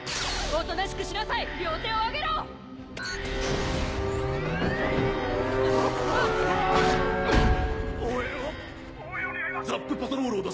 おとなしくしなさい両手を上げろ！応援を。